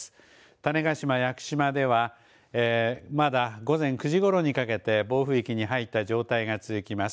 種子島・屋久島ではまだ午前９時ごろにかけて暴風域に入った状態が続きます。